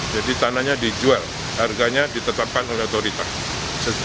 jadi tanahnya dijual harganya ditetapkan oleh otoritas